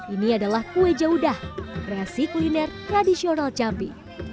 ini adalah kue jawudah reaksi kuliner tradisional jambi